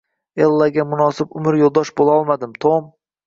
Ellaga munosib umr yo`ldosh bo`lolmadim, Tom